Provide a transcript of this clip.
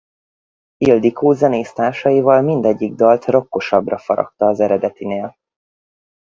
Ildikó zenésztársaival mindegyik dalt rockosabbra faragta az eredetinél.